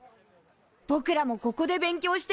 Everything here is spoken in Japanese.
ぼくらもここで勉強してる。